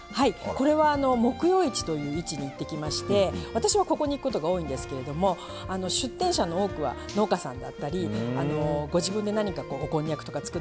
これは木曜市という市に行ってきまして私はここに行くことが多いんですけれども出店者の多くは農家さんだったりご自分で何かこうおこんにゃくとか作っ